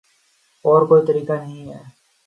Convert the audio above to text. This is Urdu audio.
اور کوئی طریقہ نہیں ہے